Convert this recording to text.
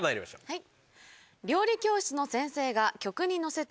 はい。